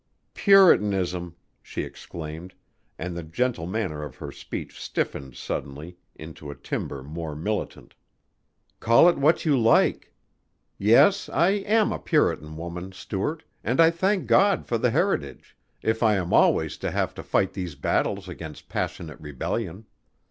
"Puritanism!" she exclaimed, and the gentle manner of her speech stiffened suddenly into a timbre more militant. "Call it what you like. Yes, I am a puritan woman, Stuart, and I thank God for the heritage if I am always to have to fight these battles against passionate rebellion.